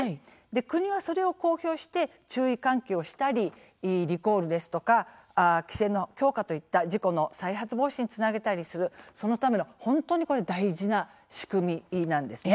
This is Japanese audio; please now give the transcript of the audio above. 国は、それを公表して注意喚起をしたりリコールですとか規制の強化といった事故の再発防止につなげたりするそのための本当に大事な仕組みなんですね。